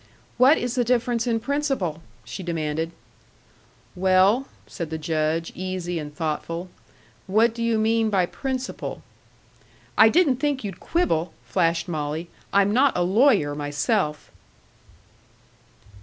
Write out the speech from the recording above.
"What is the difference in principle?" she demanded. "Well," said the Judge, easy and thoughtful, "what do you mean by principle?" "I didn't think you'd quibble," flashed Molly. "I'm not a lawyer myself."